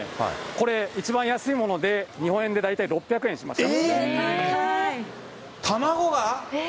これ、一番安いもので、日本円で大体６００円します。